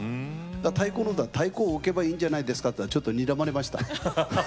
太鼓なら太鼓を置けばいいんじゃないですかと言ったらちょっとにらまれました。